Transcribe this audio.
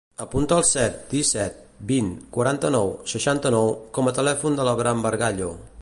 Apunta el set, disset, vint, quaranta-nou, seixanta-nou com a telèfon de l'Abraham Bargallo.